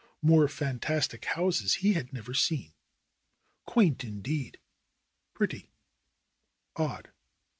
More fan tastic houses he had never seen. Quaint indeed, pretty, odd